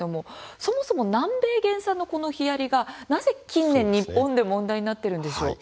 そもそも、南米原産のヒアリがなぜ近年、日本で問題になっているんですか？